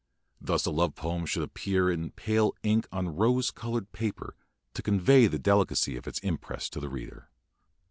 Thus a love poem should appear in pale ink on rose colored paper, to convey the deli cacy of its impress on the reader.